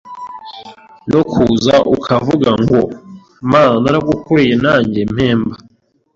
no kuza ukavugango Mana naragukoreye nanjye mpemba .